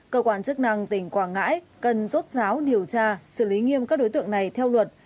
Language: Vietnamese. cơ quan chức năng tỉnh quảng ngãi cần rốt ráo điều tra xử lý nghiêm các đối tượng này theo luật